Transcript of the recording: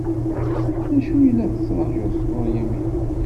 D acu ay la ttṛajuɣ sɣur Yamina?